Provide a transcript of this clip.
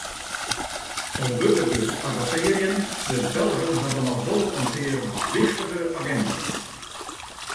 Al wurdt it dus avesearjen, de Belgen hawwe noch wol in pear wichtige agindapunten.